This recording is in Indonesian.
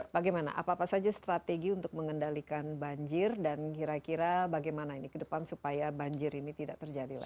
bagaimana apa apa saja strategi untuk mengendalikan banjir dan kira kira bagaimana ini ke depan supaya banjir ini tidak terjadi lagi